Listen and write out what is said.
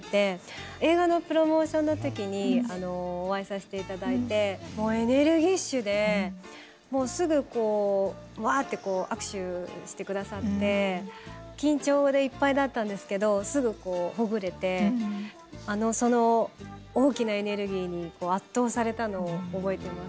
映画のプロモーションの時にお会いさせて頂いてエネルギッシュでもうすぐこうわってこう握手して下さって緊張でいっぱいだったんですけどすぐこうほぐれてその大きなエネルギーに圧倒されたのを覚えていますね。